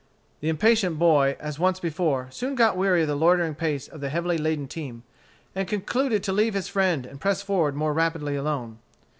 The impatient boy, as once before, soon got weary of the loitering pace of the heavily laden team, and concluded to leave his friend and press forward more rapidly alone.